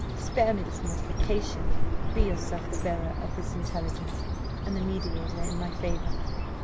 Spare me this mortification! Be yourself the bearer of this intelligence, and the mediator in my favour."